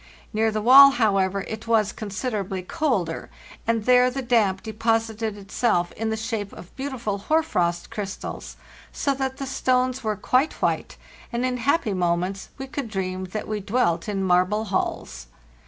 Near the wall, how ever, it was considerably colder, and there the damp deposited itself in the shape of beautiful hoar frost crystals, so that the stones were quite white; and in happy moments we could dream that we dwelt in marble halls.